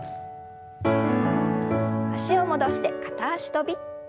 脚を戻して片脚跳び。